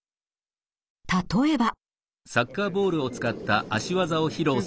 例えば。